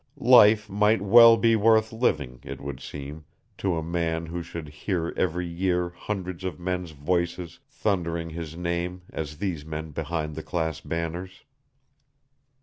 Life might well be worth living, it would seem, to a man who should hear every year hundreds of men's voices thundering his name as these men behind the class banners.